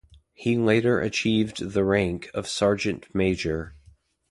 He later achieved the rank of sergeant-major.